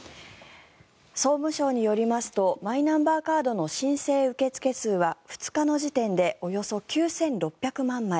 総務省によりますとマイナンバーカードの申請受け付け数は２日の時点でおよそ９６００万枚。